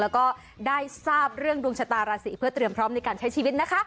แล้วก็ได้ทราบเรื่องดวงชะตาราศีเพื่อเตรียมพร้อมในการใช้ชีวิตนะคะ